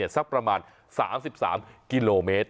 สักประมาณ๓๓กิโลเมตร